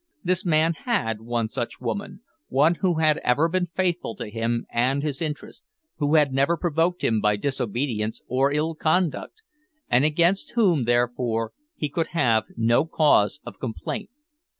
This man had one such woman, one who had ever been faithful to him and his interests, who had never provoked him by disobedience or ill conduct, and against whom, therefore, he could have no cause of complaint.